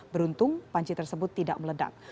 beruntung panci tersebut tidak meledak